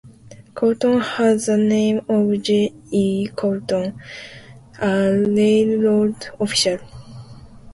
Colton has the name of J. E. Colton, a railroad official.